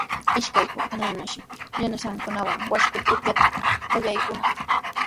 Ishkay puntrawllatanashi yanasankunawan washku upyayta qallaykunaq.